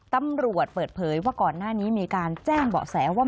ตำรวจเปิดเผยว่าก่อนหน้านี้มีการแจ้งเบาะแสว่า